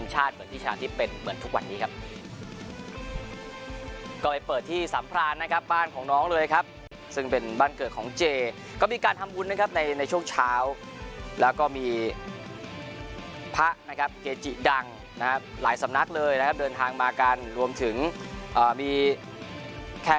เจจิดังนะครับหลายสำนักเลยนะครับเดินทางมากันรวมถึงอ่ามีแค่